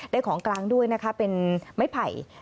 ของกลางด้วยนะคะเป็นไม้ไผ่